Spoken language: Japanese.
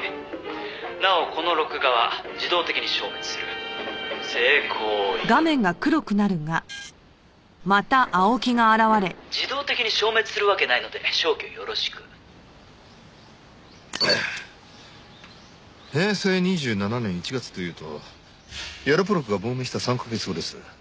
「なおこの録画は自動的に消滅する」「成功を祈る」「自動的に消滅するわけないので消去よろしく」平成２７年１月というとヤロポロクが亡命した３カ月後です。